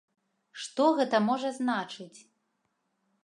Што гэта можа значыць?